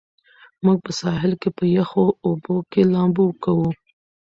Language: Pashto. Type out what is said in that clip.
موږ په ساحل کې په یخو اوبو کې لامبو کوو.